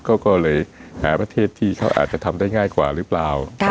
เขาก็เลยหาประเทศที่เขาอาจจะทำได้ง่ายกว่าหรือเปล่า